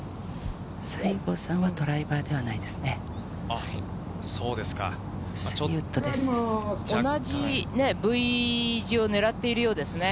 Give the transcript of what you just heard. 西郷さんはドライバーではないですね。